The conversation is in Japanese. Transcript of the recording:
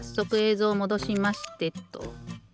ぞうもどしましてと。